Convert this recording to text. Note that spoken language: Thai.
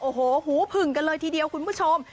โอ้โหหูผึ่งกันเลยทีเดียวคุณผู้ชม